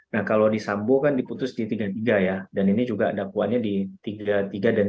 nah kalau di sambo kan diputus di tiga puluh tiga ya dan ini juga dakwaannya di tiga puluh tiga dan tiga